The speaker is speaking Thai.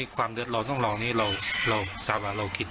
ครับ